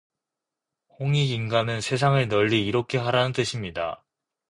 홍익인간은 세상을 널리 이롭게 하라는 뜻입니다.